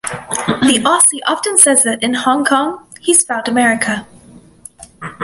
The Aussie often says that in Hong Kong, he's found America.